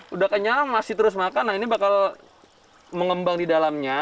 udah kenyang masih terus makan nah ini bakal mengembang di dalamnya